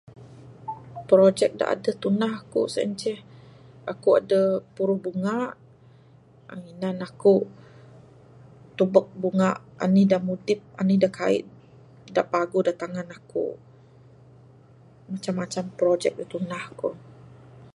Projek da aduh tundah kuk sien ceh, aku'k aduh puruh bunga, ninan aku'k tubuk bunga anih da mudip, anih da kaik da paguh da tangan aku'k. Macam macam projek da tundah aku'k.